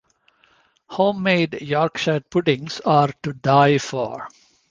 Homemade Yorkshire puddings are to die for.